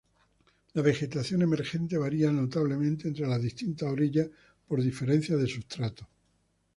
La vegetación emergente varía notablemente entre las distintas orillas por diferencias de sustrato.